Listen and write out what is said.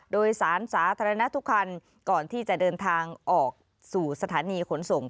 โดยสารสาธารณะทุกคันก่อนที่จะเดินทางออกสู่สถานีขนส่ง